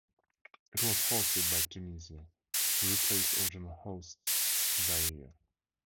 It was hosted by Tunisia, who replaced original hosts Zaire.